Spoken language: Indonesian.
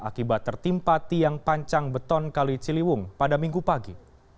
akibat tertimpa tiang pancang beton kali ciliwung pada minggu pagi